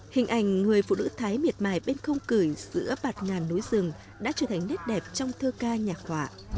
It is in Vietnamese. hình ảnh người phụ nữ thái miệt mài bên không cười giữa bạt ngàn núi rừng đã trở thành nét đẹp trong thơ ca nhạc họa